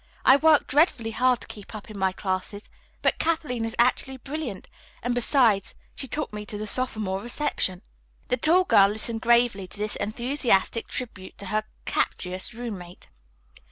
I work dreadfully hard to keep up in my classes. But Kathleen is actually brilliant, and, besides, she took me to the sophomore reception." The tall girl listened gravely to this enthusiastic tribute to her captious roommate.